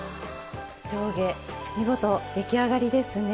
上下見事出来上がりですね。